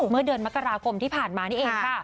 เมื่อเดือนมกราคมที่ผ่านมานี่เองค่ะ